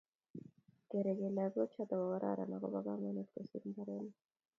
Kerekei lagochoto ko kororon agobo komonut kosir mbaronik